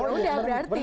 oh udah berarti